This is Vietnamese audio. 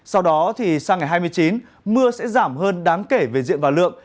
sau đó thì sang ngày hai mươi chín mưa sẽ giảm hơn đáng kể về diện và lượng